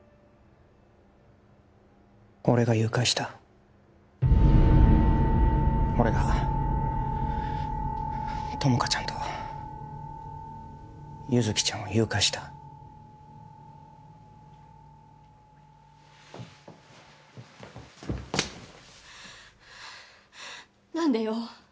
俺が誘拐した俺が友果ちゃんと優月ちゃんを誘拐した何でよ？